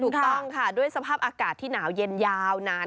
ถูกต้องค่ะด้วยสภาพอากาศที่หนาวเย็นยาวนาน